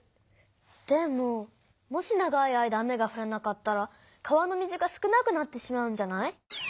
でももし長い間雨がふらなかったら川の水が少なくなってしまうんじゃない？